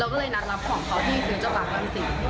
เราก็เลยนัดรับของเขาที่ซื้อเจ้าตากรรมสิทธิ์